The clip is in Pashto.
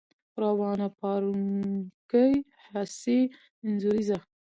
روانه، پارونکې، ، حسي، انځوريزه